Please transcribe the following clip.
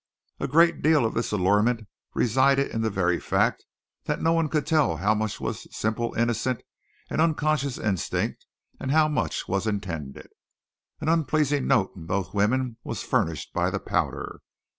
And a great deal of this allurement resided in the very fact that no one could tell how much was simple, innocent, and unconscious instinct, and how much was intended. An unpleasing note in both women was furnished by the powder.